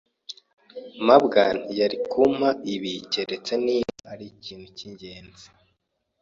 mabwa ntiyari kumpa ibi keretse niba ari ikintu cyingenzi.